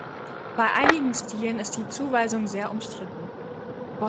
Bei einigen Stilen ist die Zuweisung sehr umstritten.